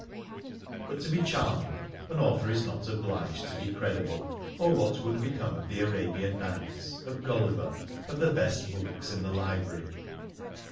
But to be charming an author is not obliged to be cre dible, or what would become of the ' Arabian Nights,' of ' Gulliver,' and of the best books in the library